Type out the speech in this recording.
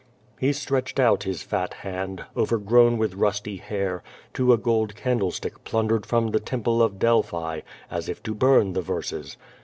He stretched out his fat hand, overgrown with rusty hair, to a gold candle stick plundered from the temple of Delphi, as if to burn the verses.